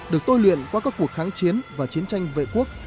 được tôi luyện qua các cuộc kháng chiến và chiến tranh vệ quốc